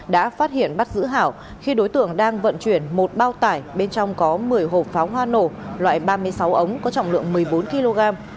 đã phát hiện bắt giữ hảo khi đối tượng đang vận chuyển một bao tải bên trong có một mươi hộp pháo hoa nổ loại ba mươi sáu ống có trọng lượng một mươi bốn kg